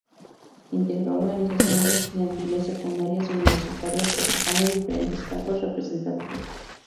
Integró organizaciones estudiantiles secundarias y universitarias ocupando diferentes cargos representativos.